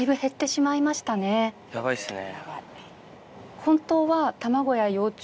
ヤバいっすね。